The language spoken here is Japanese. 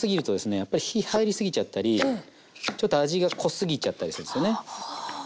やっぱり火入りすぎちゃったりちょっと味が濃すぎちゃったりするんですよね。